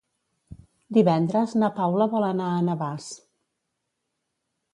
Divendres na Paula vol anar a Navàs.